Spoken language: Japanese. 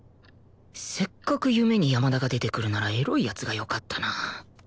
せっかく夢に山田が出てくるならエロいやつがよかったな